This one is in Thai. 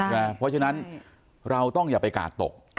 เพราะฉะนั้นเราต้องอย่าไปกาดตก